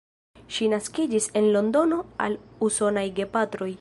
Ŝi naskiĝis en Londono al usonaj gepatroj.